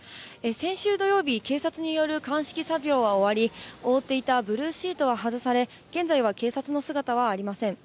先週土曜日、警察による鑑識作業は終わり、覆っていたブルーシートは外され、現在は警察の姿はありません。